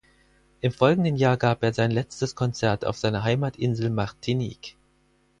Im folgenden Jahr gab er sein letztes Konzert auf seiner Heimatinsel Martinique.